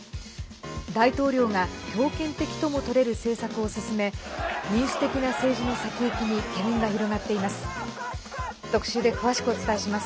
大統領が強権的ともとれる政策を進め民主的な政治の先行きに懸念が広がっています。